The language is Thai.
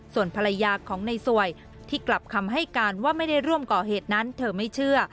ส่วนภรรยาของในสวยที่กลับคำให้การว่าไม่ได้ร่วมก่อเหตุนั้นเธอไม่เชื่อ